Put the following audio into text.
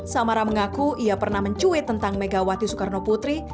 samara mengaku ia pernah mencuit tentang megawati soekarnoputri